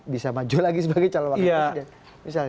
bisa maju lagi sebagai calon wakil presiden